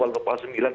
kalau tepat sembilan